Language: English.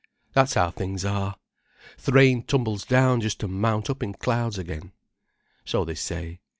That's how things are. Th' rain tumbles down just to mount up in clouds again. So they say.